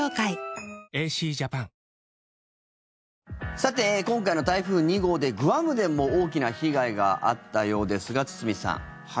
さて、今回の台風２号でグアムでも大きな被害があったようですが堤さん。